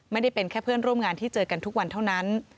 ไม่ได้เป็นแค่เพื่อนร่วมงานที่เจอกันทุกวันเท่านั้น